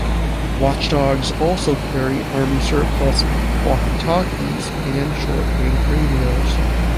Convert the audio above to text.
Watchdogs also carry Army surplus walkie-talkies, and short-wave radios.